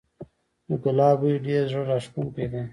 د ګلاب بوی ډیر زړه راښکونکی دی